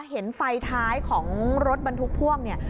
เห็นไฟท้ายของรถบรรทุกพ่วงเนี่ย